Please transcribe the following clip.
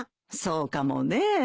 そうかもね。